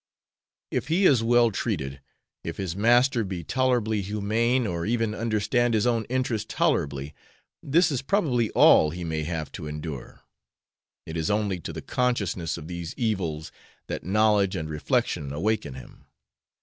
If he is well treated, if his master be tolerably humane or even understand his own interest tolerably, this is probably all he may have to endure: it is only to the consciousness of these evils that knowledge and reflection awaken him.